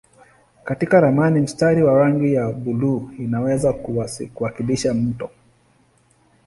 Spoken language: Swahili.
Katika ramani mstari wa rangi ya buluu unaweza kuwakilisha mto.